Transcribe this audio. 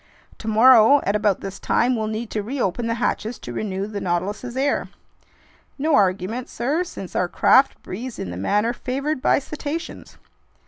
"Tomorrow at about this time, we'll need to reopen the hatches to renew the Nautilus's air." "No argument, sir, since our craft breathes in the manner favored by cetaceans."